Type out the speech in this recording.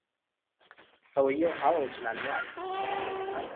ሰውየውም አዎ እችላለሁ አለ፡፡